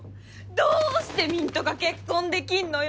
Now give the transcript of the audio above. どうしてミントが結婚できんのよ！